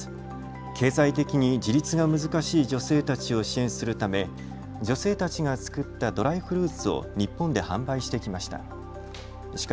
経済的に自立が難しい女性たちを支援するため女性たちが作ったドライフルーツを日本で販売してきました。